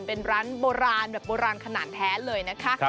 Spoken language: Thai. เป็นร้านโบราณแบบโบราณขนาดแท้เลยนะคะ